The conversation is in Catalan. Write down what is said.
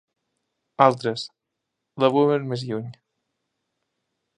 Altres, la veuen més lluny.